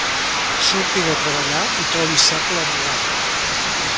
Surti de treballar i trobi seca la bugada.